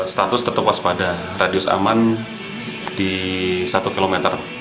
status tetap waspada radius aman di satu km